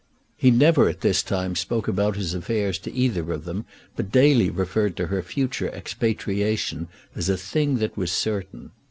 He never at this time spoke about his affairs to either of them, but daily referred to her future expatriation as a thing that was certain.